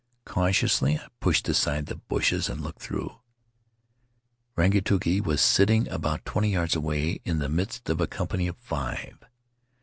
Cautiously I pushed aside the bushes and looked through. Rangituki was sitting about twenty yards away, in the midst of a company of five.